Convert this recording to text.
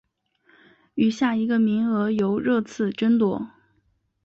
余下一个名额由热刺争夺。